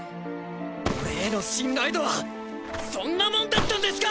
俺への信頼度はそんなもんだったんですか